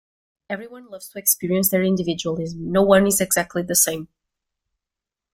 Everyone loves to experience their individualism. No one is exactly the same.